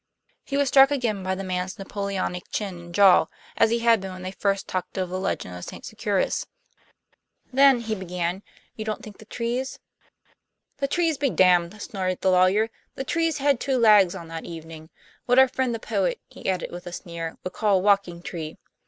He was struck again by the man's Napoleonic chin and jaw, as he had been when they first talked of the legend of St. Securis. "Then," he began, "you don't think the trees " "The trees be damned!" snorted the lawyer. "The tree had two legs on that evening. What our friend the poet," he added, with a sneer, "would call a walking tree.